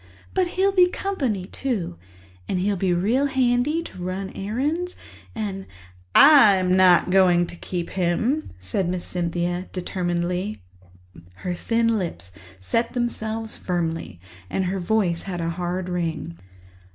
But he'll be company, too, and he'll be real handy to run errands and—" "I'm not going to keep him," said Miss Cynthia determinedly. Her thin lips set themselves firmly and her voice had a hard ring.